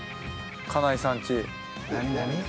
金井さんち。